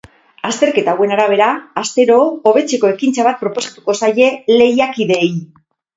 Azterketa hauen arabera, astero, hobetzeko ekintza bat proposatuko zaie lehiakideei.